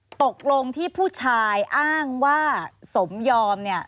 ตกลงที่ผู้ชายอ้างว่าสมยอมเนี่ย